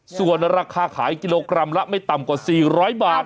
ส่วนราคาขายกิโลกรัมละไม่ต่ำกว่า๔๐๐บาท